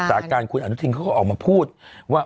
สาการคุณอนุทินเขาก็ออกมาพูดว่า